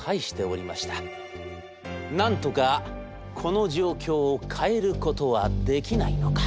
なんとかこの状況を変えることはできないのか。